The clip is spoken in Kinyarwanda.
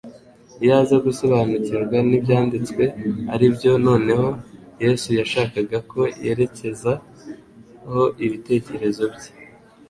iyo aza gusobanukirwa n'Ibyanditswe aribyo noneho Yesu yashakaga ko yerekezaho ibitekerezo bye !